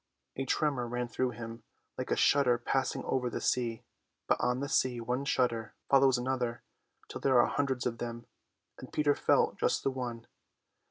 A tremour ran through him, like a shudder passing over the sea; but on the sea one shudder follows another till there are hundreds of them, and Peter felt just the one.